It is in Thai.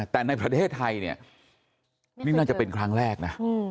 แต่ในประเทศไทยเนี่ยนี่น่าจะเป็นครั้งแรกนะ